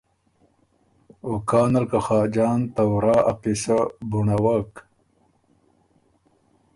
او کان ال که خاجان ته ورا ا قیصۀ بُنړوَک